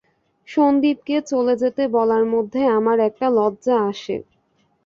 সন্দীপকে চলে যেতে বলার মধ্যে আমার একটা লজ্জা আসে।